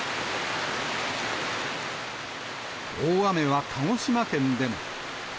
大雨は鹿児島県でも。